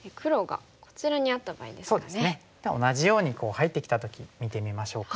同じように入ってきた時見てみましょうか。